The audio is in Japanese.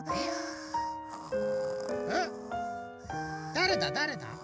だれだだれだ？